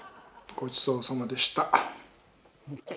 ごちそうさまでした。